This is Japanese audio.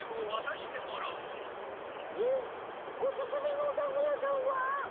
おすすめのおだんご屋さんは？